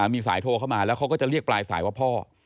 มีสายโทรเข้ามาแล้วเขาก็จะเรียกปลายสายว่าพ่อ